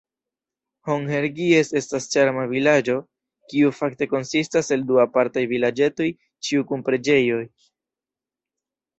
Hon-Hergies estas ĉarma vilaĝo, kiu fakte konsistas el du apartaj vilaĝetoj, ĉiu kun preĝejo.